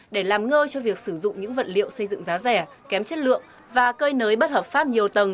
để làm ngơ cho việc sử dụng những vật liệu xây dựng giá rẻ kém chất lượng và cơi nới bất hợp pháp nhiều tầng